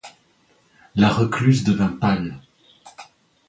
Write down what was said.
La recluse devint pâle.